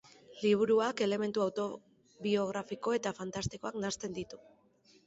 Liburuak elementu autobiografiko eta fantastikoak nahasten ditu.